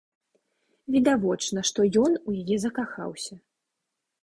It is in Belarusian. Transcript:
Відавочна, што ён у яе закахаўся.